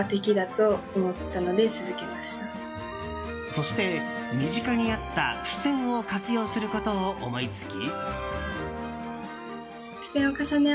そして身近にあった付箋を活用することを思いつき。